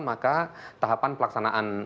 maka tahapan pelaksanaan